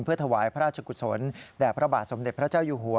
ถวายพระราชกุศลแด่พระบาทสมเด็จพระเจ้าอยู่หัว